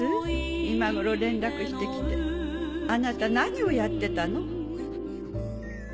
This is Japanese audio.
今頃連絡して来てあなた何をやってたの？